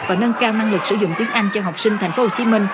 và nâng cao năng lực sử dụng tiếng anh cho học sinh tp hcm